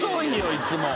いつも。